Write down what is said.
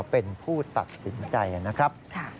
เป็นผู้ตัดสินใจนะครับ